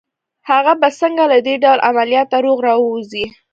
هغه به څنګه له دې ډول عملياته روغ را ووځي